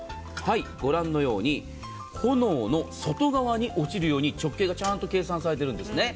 ご覧のように炎の外側に落ちるように直径がちゃんと計算されているんです。